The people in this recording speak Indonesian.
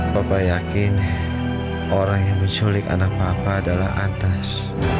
bapak yakin orang yang menculik anak bapak adalah atas